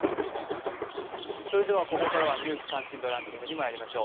ここからは「ニュース関心度ランキング」にまいりましょう。